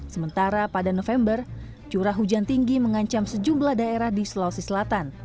sementara pada november curah hujan tinggi mengancam sejumlah daerah di sulawesi selatan